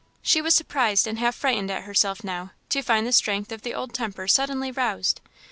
She was surprised, and half frightened at herself now, to find the strength of the old temper suddenly roused.